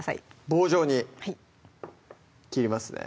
棒状に切りますね